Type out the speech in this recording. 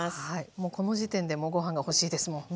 もうこの時点でもうご飯が欲しいですもん。